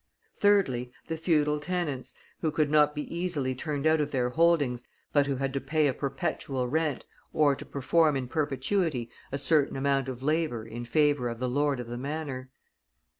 Thirdly, the feudal tenants, who could not be easily turned out of their holdings, but who had to pay a perpetual rent, or to perform in perpetuity a certain amount of labor in favor of the lord of the manor.